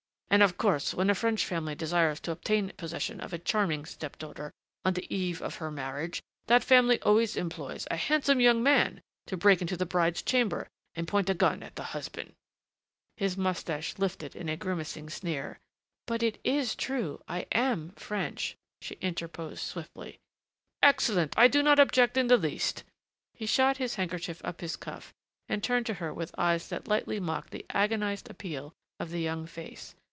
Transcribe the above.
And of course when a French family desires to obtain possession of a charming step daughter, on the eve of her marriage, that family always employs a handsome young man to break into the bride's chamber and point a gun at the husband " His mustache lifted in a grimacing sneer. "But it is true, and I am French," she interposed swiftly. "Excellent I do not object in the least." He shot his handkerchief up his cuff, and turned to her with eyes that lightly mocked the agonized appeal of the young face.